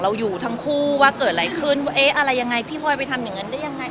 อยู่ทั้งคู่ว่าเกิดอะไรขึ้นว่าเอ๊ะอะไรยังไงพี่พลอยไปทำอย่างนั้นได้ยังไง